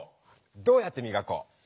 どうやってみがこう？